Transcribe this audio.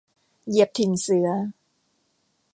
เหยียบถิ่นเสือ